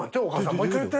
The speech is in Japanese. もう一回言うて。